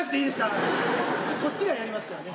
それこっちがやりますからね。